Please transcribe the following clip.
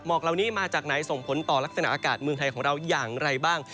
กเหล่านี้มาจากไหนส่งผลต่อลักษณะอากาศเมืองไทยของเราอย่างไรบ้าง